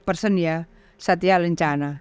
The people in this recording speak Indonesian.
person ya satya lencana